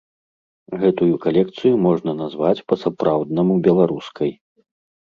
Гэтую калекцыю можна назваць па-сапраўднаму беларускай.